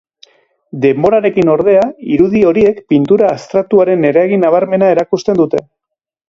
Denborarekin, ordea, irudi horiek pintura abstraktuaren eragin nabarmena erakusten dute.